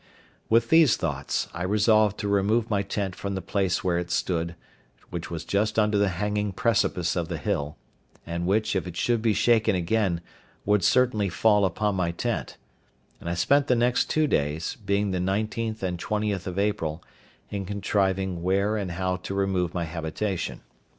With these thoughts, I resolved to remove my tent from the place where it stood, which was just under the hanging precipice of the hill; and which, if it should be shaken again, would certainly fall upon my tent; and I spent the two next days, being the 19th and 20th of April, in contriving where and how to remove my habitation.